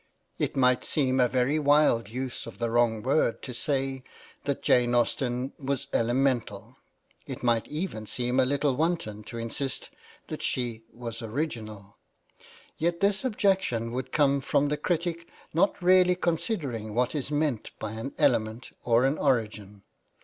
It might seem a very wild use of the wrong word to say that xiii ^ PREFACE Jane Austen was elemental. It might even seem even a little wanton to insist that she was original. Yet this objection would come from the critic not really considering what is meant by an element or an origin.